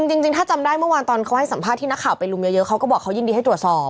จริงถ้าจำได้เมื่อวานตอนเขาให้สัมภาษณ์ที่นักข่าวไปลุมเยอะเขาก็บอกเขายินดีให้ตรวจสอบ